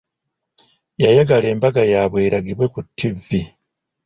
Yayagala embaga yaabwe eragibwe ku tivi.